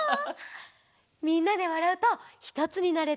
みんなでわらうとひとつになれてうれしいね。